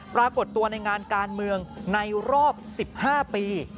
ปรากฏตัวในงานการเมืองในรอบ๑๕ปี